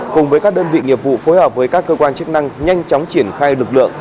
cùng với các đơn vị nghiệp vụ phối hợp với các cơ quan chức năng nhanh chóng triển khai lực lượng